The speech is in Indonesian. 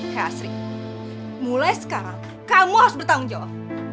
hei asri mulai sekarang kamu harus bertanggung jawab